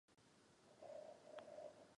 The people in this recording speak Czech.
Roger ji následuje.